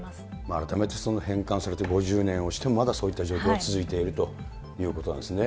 改めて返還されて５０年をしてもまだそういった状況は続いているということなんですね。